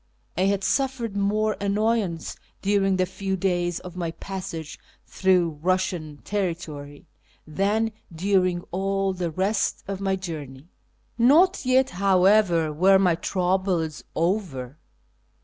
I had suffered more annoyance during the few days of my passage through Eussian territory than during all the rest of my journey. 576 ./ YEAR AMONGST THE PERSIANS Not yet, however, were my trinities over.